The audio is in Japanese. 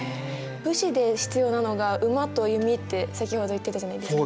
武士で必要なのが馬と弓って先ほど言ってたじゃないですか。